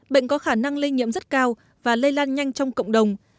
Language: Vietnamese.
bệnh có khả năng lây nhiễm rất cao và lây lan nhanh trong cộng đồng